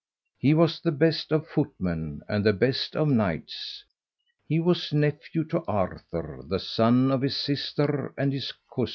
He was the best of footmen and the best of knights. He was nephew to Arthur, the son of his sister, and his cousin.